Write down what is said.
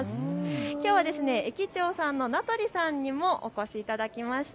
きょうは駅長さんの名取さんにもお越しいただきました。